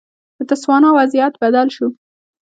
د تسوانا وضعیت بدل شو.